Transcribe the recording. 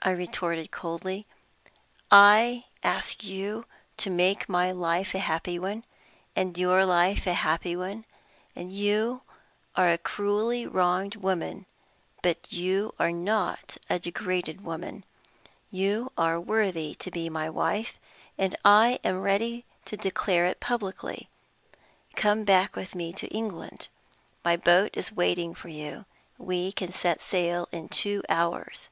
I retorted, coldly. "I ask you to make my life a happy one, and your life a happy one. You are a cruelly wronged woman, but you are not a degraded woman. You are worthy to be my wife, and I am ready to declare it publicly. Come back with me to England. My boat is waiting for you; we can set sail in two hours."